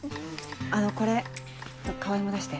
あのこれ川合も出して。